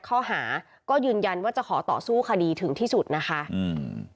ข้อหาก็ยืนยันว่าจะขอต่อสู้คดีถึงที่สุดนะคะอืม